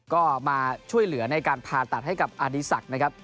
ก็มาช่วยเหลือในการผ่าตัดให้กับอดีศักดิ์นะครับ